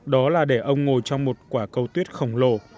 đó là để ông ngồi trong một quả cầu tuyết khổng lồ